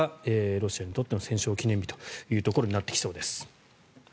ロシアにとっての戦勝記念日というところになってきそうです。